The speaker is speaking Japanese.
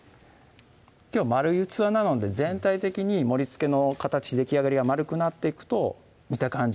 きょうは丸い器なので全体的に盛りつけの形できあがりが丸くなっていくと見た感じ